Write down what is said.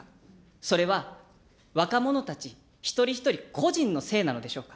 それは、若者たち一人一人、個人のせいなのでしょうか。